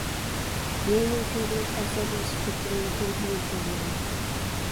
نېمىگە شۇنچىلىك ئەسەبىيلىشىپ كەتكىنىمنى ھېلىھەم چۈشەنمەيمەن.